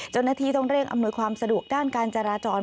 เจ้าหน้าที่ต้องเร่งอำนวยความสะดวกด้านการจราจร